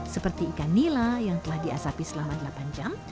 seperti ikan nila yang telah diasapi selama delapan jam